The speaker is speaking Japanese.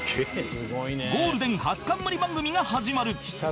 ゴールデン初冠番組が始まる